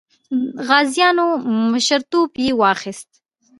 غازیانو مشرتوب یې واخیست.